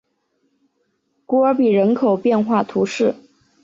古尔比人口变化图示